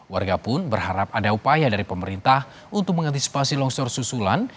warga pun berharap ada upaya dari pemerintah untuk mengantisipasi longsor susulan